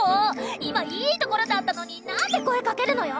今いいところだったのになんで声かけるのよ！